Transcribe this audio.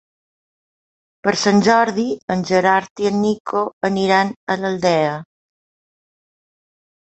Per Sant Jordi en Gerard i en Nico aniran a l'Aldea.